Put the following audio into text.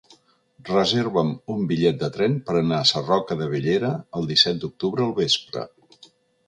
Reserva'm un bitllet de tren per anar a Sarroca de Bellera el disset d'octubre al vespre.